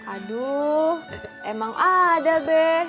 aduh emang ada be